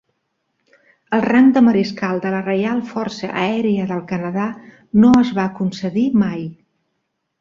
El rang de mariscal de la Reial Força Aèria del Canadà no es va concedir mai.